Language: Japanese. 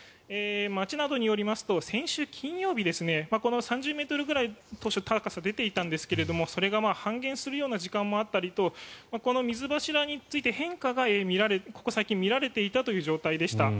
町などによりますと先週金曜日この３０ｍぐらい当初、高さが出ていたんですがそれが半減するような時間もあったりとこの水柱についてここ最近変化が見られていたという状態でした。